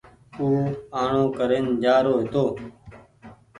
او آڻو ڪرين جآرو هيتو